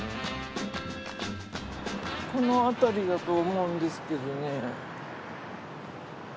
この辺りだと思うんですけどね。